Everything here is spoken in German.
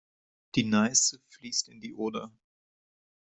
Die Neiße fließt in die Oder.